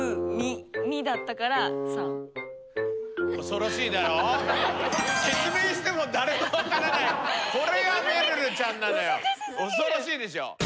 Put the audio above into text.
恐ろしいでしょ。